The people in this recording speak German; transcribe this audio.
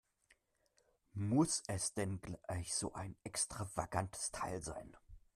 Muss es denn gleich so ein extravagantes Teil sein?